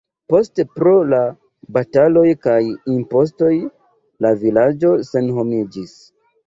Poste pro la bataloj kaj impostoj la vilaĝo senhomiĝis.